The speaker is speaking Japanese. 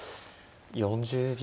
４０秒。